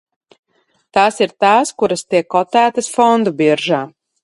Tās ir tās, kuras tiek kotētas fondu biržā.